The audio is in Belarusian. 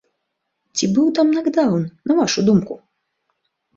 Ці быў там накдаўн, на вашу думку?